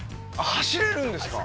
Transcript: ◆走れるんですか。